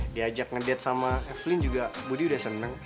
diajak ngedit sama evelyn juga budi udah seneng